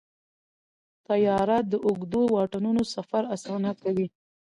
طیاره د اوږدو واټنونو سفر اسانه کوي.